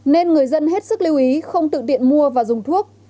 nên người dân hết sức lưu ý không tự mua và dùng thuốc